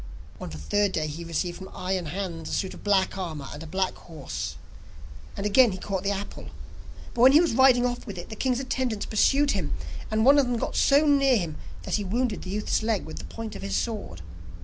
On the third day, he received from Iron Hans a suit of black armour and a black horse, and again he caught the apple. But when he was riding off with it, the king's attendants pursued him, and one of them got so near him that he wounded the youth's leg with the point of his sword.